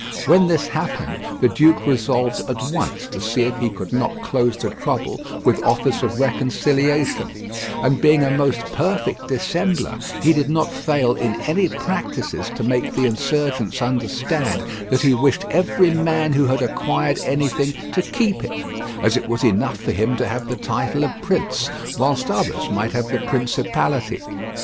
When this happened, the duke resolved at once to see if he could not close the trouble with offers of reconciliation, and being a most perfect dissembler he did not fail in any practices to make the insurgents understand that he wished every man who had acquired anything to keep it, as it was enough for him to have the title of prince, whilst others might have the principality.